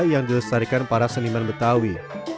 yang dilestarikan para seniman betawi